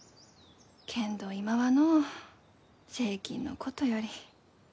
けんど今はのう税金のことより。